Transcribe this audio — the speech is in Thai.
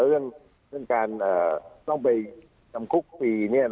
เรื่องการต้องไปจำคุกฟรี